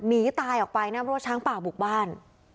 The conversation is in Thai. หนีตายออกไปนะเพราะว่าช้างป่าบุกบ้าน